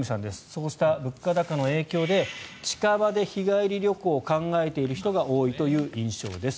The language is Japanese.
そうした物価高の影響で近場で日帰り旅行を考えている人が多いという印象です。